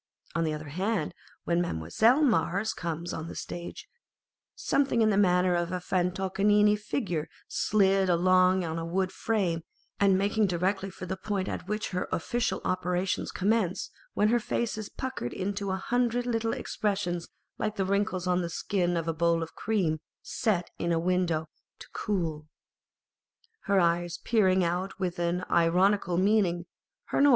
On the other hand, when Mademoiselle Mars comes on the stage, something in the manner of a fantoccini figure slid along on a wooden frame, and making directly for the point at which her official operations commence â€" when her face is puckered into a hundred little expressions like the wrinkles on ' the skin of a bowl of cream set in a window to cool, her eyes peering out with an ironical meaning, her 404 Madame Pasta and Mademoiselle Mars.